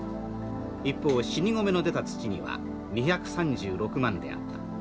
一方死に米の出た土には２３６万であった。